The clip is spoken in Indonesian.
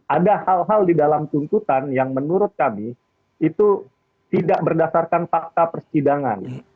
ada hal hal di dalam tuntutan yang menurut kami itu tidak berdasarkan fakta persidangan